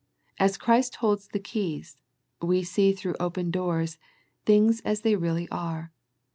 As Christ holds the keys, we see through open doors, things as they really are.